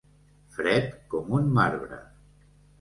Fred com un marbre.